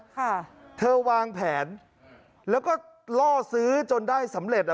ค่ะเธอวางแผนแล้วก็ล่อซื้อจนได้สำเร็จอ่ะ